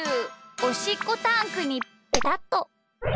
おしっこタンクにペタッと。